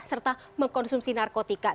serta mengkonsumsi narkotika